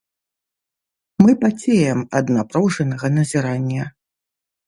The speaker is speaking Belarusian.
Мы пацеем ад напружанага назірання.